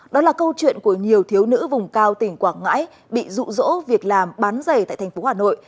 đó là câu chuyện của nhiều thiếu nữ vùng cao tỉnh quảng ngãi bị rụ rỗ việc làm bán giày tại thành phố hà nội